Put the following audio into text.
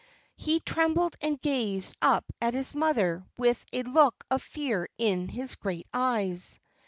He trembled and gazed up at his mother with a look of fear in his great eyes.